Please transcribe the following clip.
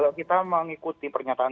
ya menteri perdagangan ya menteri perdagangan